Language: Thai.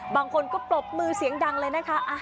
บางคนก็ปรบมือเสียงดังเลยนะคะ